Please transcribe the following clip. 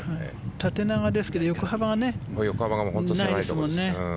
縦長ですけど横幅がないですもんね。